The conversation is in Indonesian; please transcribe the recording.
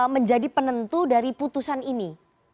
menjadi penentu dari putusan ini